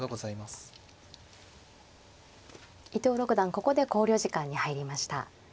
ここで考慮時間に入りました。